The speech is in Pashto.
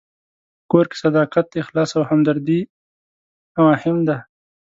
په کور کې صداقت، اخلاص او همدردي مهم دي.